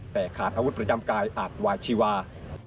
แต่ขาดอาวุธประจำกายอาจวาชีวา